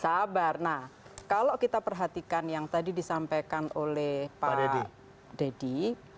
sabar nah kalau kita perhatikan yang tadi disampaikan oleh pak deddy